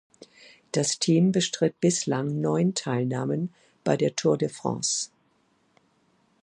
Das Team bestritt bislang neun Teilnahmen bei der Tour de France.